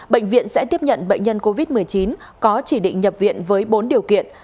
bệnh viện sẽ tiếp nhận bệnh nhân covid một mươi chín có chỉ định nhập viện với bốn điều kiện